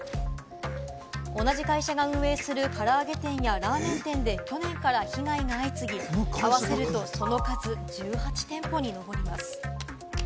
同じ会社が運営する、からあげ店やラーメン店で去年から被害が相次ぎ、合わせるとその数１８店舗にのぼります。